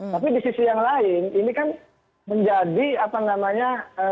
tapi di sisi yang lain ini kan menjadi apa namanya